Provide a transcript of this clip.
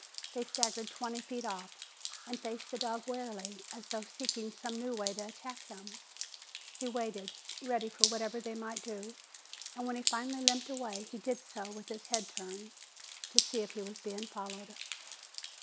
They staggered twenty feet off and faced the dog warily, as though seeking some new way to attack him. He waited, ready for whatever they might do, and when he finally limped away he did so with his head turned to see if he was being followed.